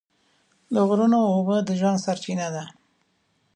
د غرونو اوبه د ژوند سرچینه ده.